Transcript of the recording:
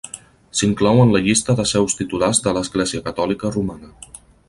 S'inclou en la llista de seus titulars de l'Església Catòlica Romana.